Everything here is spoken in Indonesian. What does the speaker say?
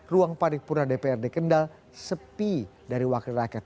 ruang paripurna dprd kendal sepi dari wakil rakyat